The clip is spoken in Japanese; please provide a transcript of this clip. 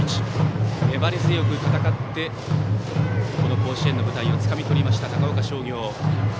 粘り強く戦ってこの甲子園の舞台をつかみとりました、高岡商業。